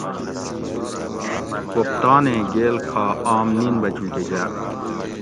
کوپتانیں گیل کھا آم نین بچوکہ گا